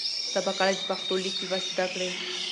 ته به کله د پښتو لیک لوست زده کړې؟